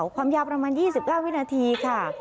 ความยาวประมาณ๒๙วินาทีค่ะ